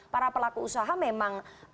para pelaku usaha memang